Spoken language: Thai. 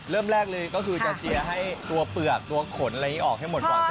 เริ่มแรกเลยก็คือจะเจียให้ตัวเปลือกตัวขนอะไรออกให้หมดหมดใช่ไหมครับ